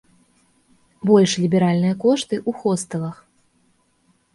Больш ліберальныя кошты ў хостэлах.